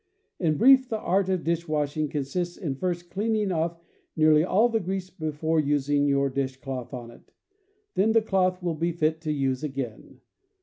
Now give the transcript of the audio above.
In brief, the art of dish washing consists in first cleaning off nearly all the grease before using your dish cloth on it. Then the cloth will be fit to use again.